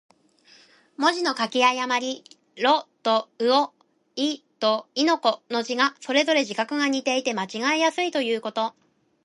文字の書き誤り。「魯」と「魚」、「亥」と「豕」の字とが、それぞれ字画が似ていて間違えやすいということ。